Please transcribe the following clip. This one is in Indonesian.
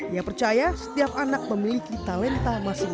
ia percaya setiap anak memiliki talenta masing masing